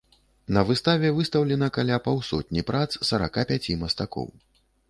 На выставе выстаўлена каля паўсотні прац сарака пяці мастакоў.